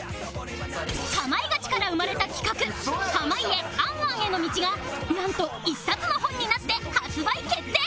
『かまいガチ』から生まれた企画濱家『ａｎａｎ』への道がなんと一冊の本になって発売決定